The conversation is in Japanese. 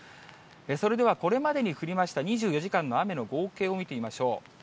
それではこれまでに降りました２４時間の雨の合計を見てみましょう。